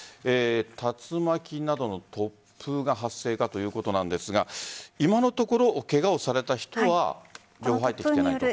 竜巻などの突風が発生かということなんですが今のところ、ケガをされた人は情報は入ってきていないと。